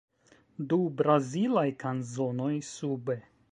Du brazilaj kanzonoj, sube.